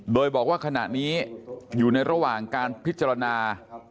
โดยบอกว่าขณะนี้อยู่ในระหว่างการพิจารณา